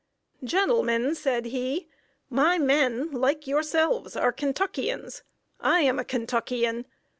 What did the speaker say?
"Gentlemen," said he, "my men, like yourselves, are Kentuckians. I am a Kentuckian.